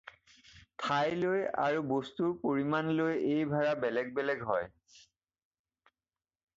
ঠাই লৈ আৰু বস্তুৰ পৰিমাণ লৈ এই ভাড়া বেলেগ বেলেগ হয়।